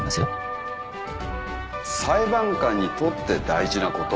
裁判官にとって大事なこと